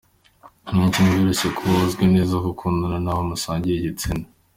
Henshi ntivyoroshe kubaho uzwi neza ko ukundana n'abo musangiye igitsina.